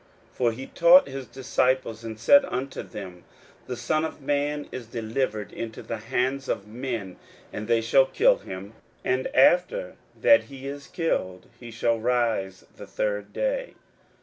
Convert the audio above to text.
41:009:031 For he taught his disciples, and said unto them, The Son of man is delivered into the hands of men, and they shall kill him; and after that he is killed, he shall rise the third day.